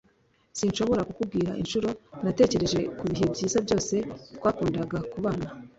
Sinshobora kukubwira inshuro natekereje kubihe byiza byose twakundaga kubana